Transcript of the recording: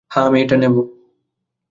হ্যাঁ, আমি এটা নেব।